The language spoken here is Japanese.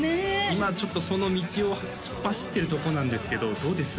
今ちょっとその道を突っ走ってるとこなんですけどどうです？